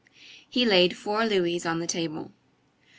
He laid four louis on the table.